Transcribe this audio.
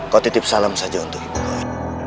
kau titip salam saja untuk ibu kau